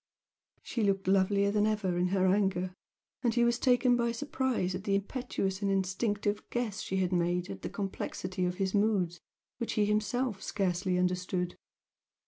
She looked lovelier than ever in her anger, and he was taken by surprise at the impetuous and instinctive guess she had made at the complexity of his moods, which he himself scarcely understood.